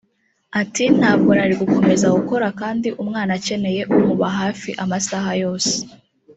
Ati “ Ntabwo nari gukomeza gukora kandi umwana akeneye umuba hafi amasaha yose